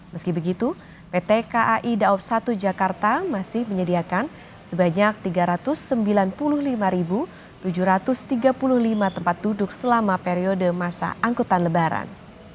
meski begitu pt kai daob satu jakarta masih menyediakan sebanyak tiga ratus sembilan puluh lima tujuh ratus tiga puluh lima tempat duduk selama periode masa angkutan lebaran